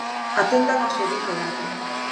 Atendan ao seguinte dato.